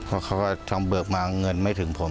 เพราะเขาก็ทำเบิกมาเงินไม่ถึงผม